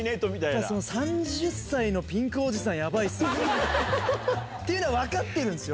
やっぱ３０歳のピンクおじさんやばいっすよっていうのは分かってるんですよ。